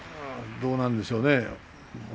どうなんでしょうね。